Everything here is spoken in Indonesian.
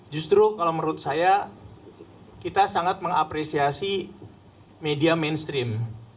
justru kalau menurut saya kita sangat mengapresiasi media mainstream